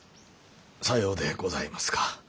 さようでございますか。